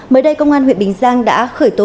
mới đây công an huyện bình giang đã khởi tố